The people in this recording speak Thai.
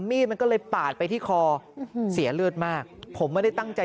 มีดมันก็เลยปาดไปที่คอเสียเลือดมากผมไม่ได้ตั้งใจ